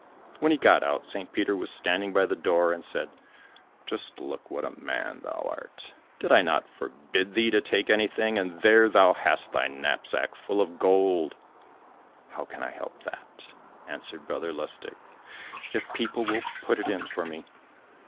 When he got out, St. Peter was standing by the door, and said, "Just look what a man thou art; did I not forbid thee to take anything, and there thou hast thy knapsack full of gold!" "How can I help that," answered Brother Lustig, "if people will put it in for me?"